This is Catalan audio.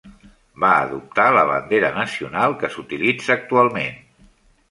Va adoptar la bandera nacional que s'utilitza actualment.